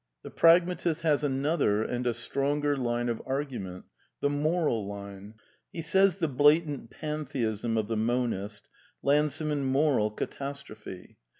The pragmatist has another and a stronger line of argu ment, the moral line. He says the blatant Pantheism of the monist lands him in moral catastrophe.